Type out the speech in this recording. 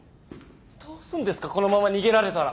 どうすんですかこのまま逃げられたら。